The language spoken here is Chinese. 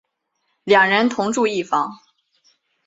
两人同住一房。